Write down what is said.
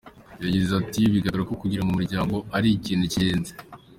Yagize iti “Biragaragara ko kugira umuryango ari ikintu cy’ingenzi.